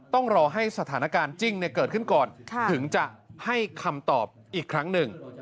ต้องรอให้สถานการณ์จริงเกิดขึ้นก่อนถึงจะให้คำตอบอีกครั้งหนึ่ง